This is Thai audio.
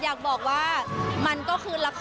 อยากบอกว่ามันก็คือละคร